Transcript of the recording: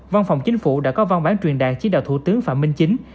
văn phòng chính phủ đã có văn bản truyền đạt chỉ đạo thủ tướng phạm minh chính